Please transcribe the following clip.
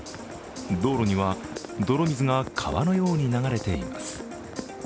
道路には泥水が川のように流れています。